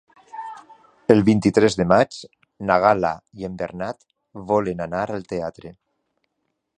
El vint-i-tres de maig na Gal·la i en Bernat volen anar al teatre.